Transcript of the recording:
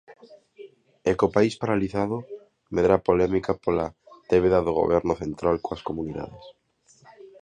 E co país paralizado, medra a polémica pola débeda do Goberno central coas comunidades.